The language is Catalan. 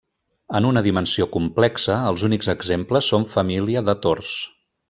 En una dimensió complexa, els únics exemples són família de tors.